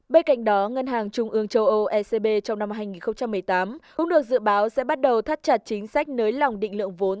bên cạnh đó ngân hàng trung ương châu âu ecb trong năm hai nghìn một mươi tám cũng được dự báo sẽ bắt đầu thắt chặt chính sách nới lỏng định lượng vốn